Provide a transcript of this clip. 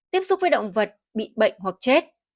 tiếp xúc với động vật bị bệnh hoặc chết